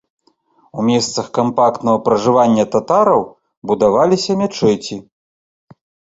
У месцах кампактнага пражывання татараў будаваліся мячэці.